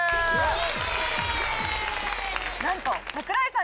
なんと。